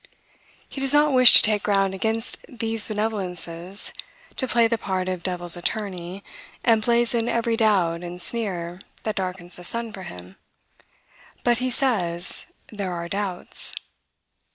He does not wish to take ground against these benevolences, to play the part of devil's attorney, and blazon every doubt and sneer that darkens the sun for him. But he says, There are doubts.